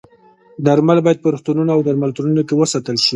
درمل باید په روغتونونو او درملتونونو کې وساتل شي.